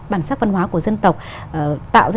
bản sắc văn hóa của dân tộc tạo ra